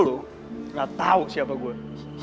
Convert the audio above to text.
lo gak tau siapa gue